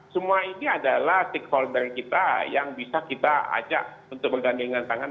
semua ini adalah stakeholder kita yang bisa kita ajak untuk bergandingan tangan